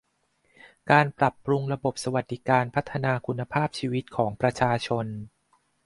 การปรับปรุงระบบสวัสดิการพัฒนาคุณภาพชีวิตของประชาชน